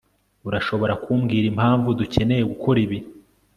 urashobora kumbwira impamvu dukeneye gukora ibi